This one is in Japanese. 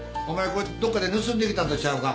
これどっかで盗んできたんとちゃうんか？